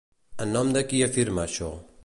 En nom de qui afirma això?